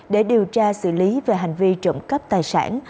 để điều tra xử lý về hành vi trộm cắp tài sản